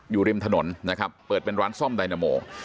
อยู่ริมถนนนะครับเปิดเป็นร้านซ่อมไดนาโม